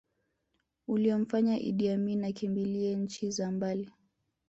Uliomfanya Iddi Amini akimbilie nchi za mbali